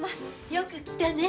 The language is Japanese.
よく来たねえ。